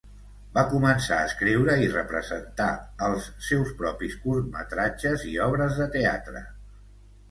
Va començar a escriure i representar els seus propis curtmetratges i obres de teatre.